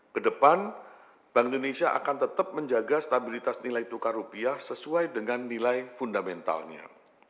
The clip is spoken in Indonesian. kedepan bank indonesia akan tetap menjaga stabilitas nilai tukar rupiah sesuai dengan nilai fundamentalnya